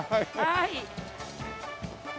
はい。